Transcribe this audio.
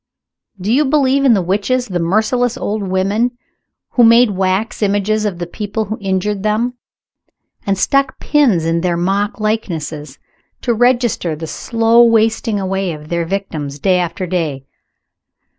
Do you believe in the witches the merciless old women who made wax images of the people who injured them, and stuck pins in their mock likenesses, to register the slow wasting away of their victims day after day?